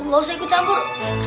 gak usah ikut campur